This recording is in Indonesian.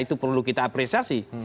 itu perlu kita apresiasi